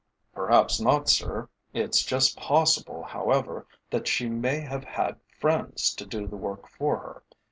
"Perhaps not, sir; it's just possible, however, that she may have had friends to do the work for her.